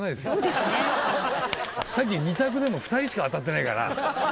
さっき２択でも２人しか当たってないから。